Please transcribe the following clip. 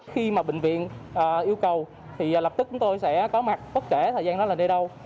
khi mà bệnh viện yêu cầu thì lập tức chúng tôi sẽ có mặt bất kể thời gian đó là đi đâu